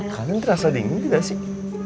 kalian terasa dingin tidak sih